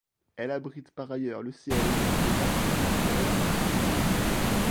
Elle abrite par ailleurs le siège de l'archidiocèse de Tunis.